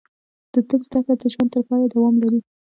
د طب زده کړه د ژوند تر پایه دوام لري.